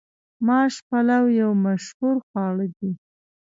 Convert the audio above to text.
ماش پلو یو مشهور خواړه دي.